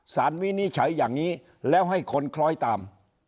ศาลรัฐมนูลวินิจฉัยอย่างนี้แล้วให้คนคล้อยตาม